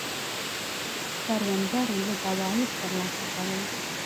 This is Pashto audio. کروندګرو لږ عواید ترلاسه کول.